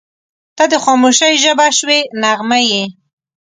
• ته د خاموشۍ ژبه شوې نغمه یې.